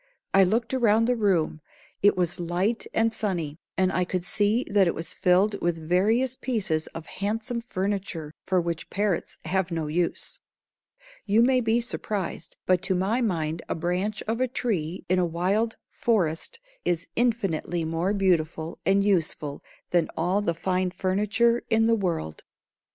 I looked around the room. It was light and sunny, and I could see that it was filled with various pieces of handsome furniture for which parrots have no use. You may be surprised, but to my mind a branch of a tree in a wild forest is infinitely more beautiful and useful than all the fine furniture in the world.